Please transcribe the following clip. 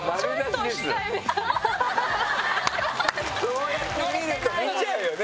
そうやって見ると見ちゃうよね